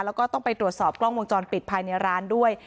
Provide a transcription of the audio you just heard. แล้วก็ต้องไปตรวจสอบกล้องวงจรปิดภายในร้านด้วย